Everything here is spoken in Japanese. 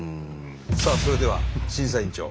さあそれでは審査員長。